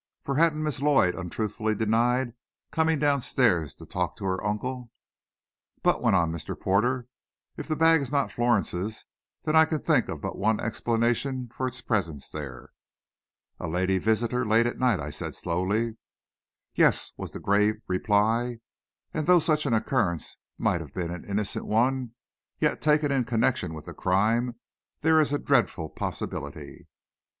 For hadn't Miss Lloyd untruthfully denied coming down stairs to talk to her uncle? "But," went on Mr. Porter, "if the bag is not Florence's, then I can think of but one explanation for its presence there." "A lady visitor, late at night," I said slowly. "Yes," was the grave reply; "and though such an occurrence might have been an innocent one, yet, taken in connection with the crime, there is a dreadful possibility."